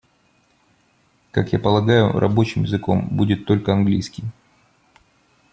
Как я полагаю, рабочим языком будет только английский.